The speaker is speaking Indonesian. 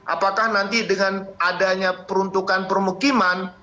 apakah nanti dengan adanya peruntukan permukiman